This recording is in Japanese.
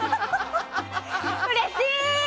うれしー！